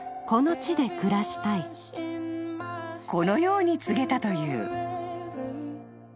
［このように告げたという］